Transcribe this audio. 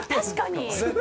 確かに。